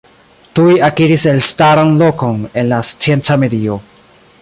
Tuj akiris elstaran lokon en la scienca medio.